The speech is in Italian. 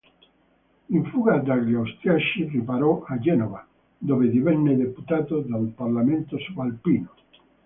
In fuga dagli austriaci riparò a Genova, dove divenne deputato del Parlamento subalpino.